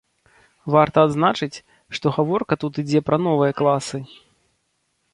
Варта адзначыць, што гаворка тут ідзе пра новыя класы.